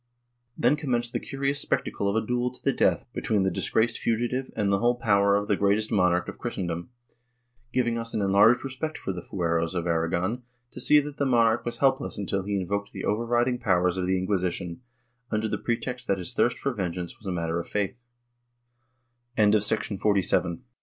Then conmienced the curious spectacle of a duel to the death between the disgraced fugitive and the whole power of the greatest monarch of Christendom, giving us an enlarged respect for the fueros of Aragon to see that the monarch was helpless until he invoked the overriding powers of the Inquisition, under the pretext that his thirst for vengeance was a matter of